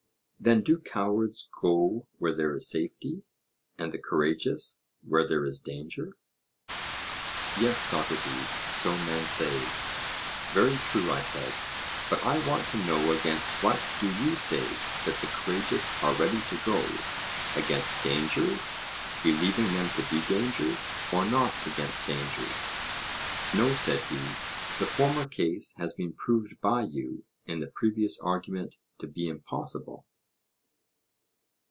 Then do cowards go where there is safety, and the courageous where there is danger? Yes, Socrates, so men say. Very true, I said. But I want to know against what do you say that the courageous are ready to go against dangers, believing them to be dangers, or not against dangers? No, said he; the former case has been proved by you in the previous argument to be impossible.